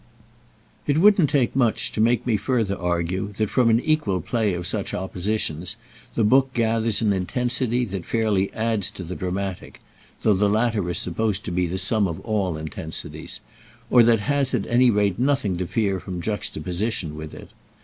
It wouldn't take much to make me further argue that from an equal play of such oppositions the book gathers an intensity that fairly adds to the dramatic—though the latter is supposed to be the sum of all intensities; or that has at any rate nothing to fear from juxtaposition with it.